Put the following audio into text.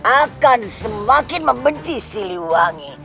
akan semakin membenci siliwangi